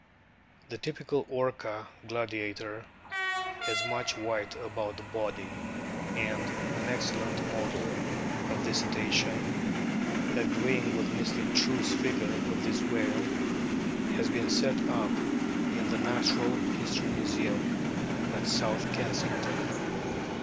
The typical Orca gladiator* has much white about the body, and an excellent model of this Cetacean, agreeing with Mr. True's fia ure of the whale, has been o set up in the Natural History Museum at South Kensington.